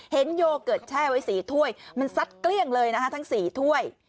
โยเกิร์ตแช่ไว้๔ถ้วยมันซัดเกลี้ยงเลยนะคะทั้ง๔ถ้วย